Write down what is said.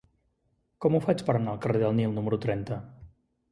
Com ho faig per anar al carrer del Nil número trenta?